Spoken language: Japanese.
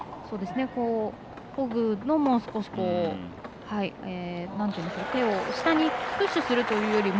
こぐのも少し手を下にプッシュするというよりも。